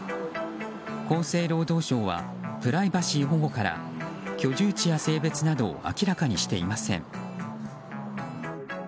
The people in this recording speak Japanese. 厚生労働省はプライバシー保護から居住地や性別などを明らかにしていません。